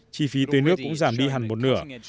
chi phí tưới nước cũng giảm đi hẳn một nửa